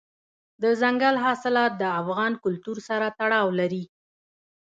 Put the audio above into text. دځنګل حاصلات د افغان کلتور سره تړاو لري.